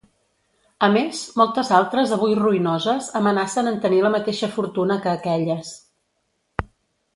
A més moltes altres avui ruïnoses amenacen en tenir la mateixa fortuna que aquelles.